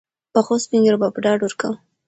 پخوسپین ږیرو به ډاډ ورکاوه.